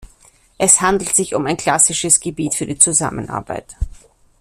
Es handelt sich um ein klassisches Gebiet für die Zusammenarbeit.